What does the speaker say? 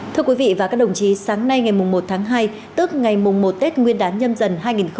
thưa quý vị và các đồng chí sáng nay ngày một tháng hai tức ngày mùng một tết nguyên đán nhâm dần hai nghìn hai mươi